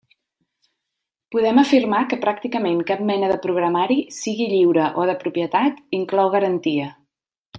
Podem afirmar que pràcticament cap mena de programari, sigui lliure o de propietat, inclou garantia.